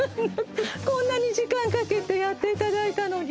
こんなに時間かけてやっていただいたのに。